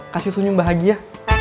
kasih sunyum bahagia